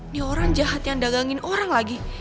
ini orang jahat yang dagangin orang lagi